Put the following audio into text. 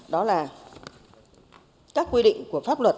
đó là các quy định của pháp luật